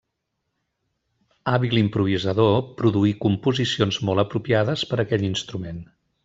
Hàbil improvisador, produí composicions molt apropiades per aquell instrument.